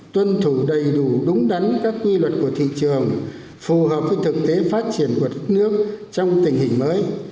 tuân thủ đầy đủ đúng đắn các quy luật của thị trường phù hợp với thực tế phát triển của đất nước trong tình hình mới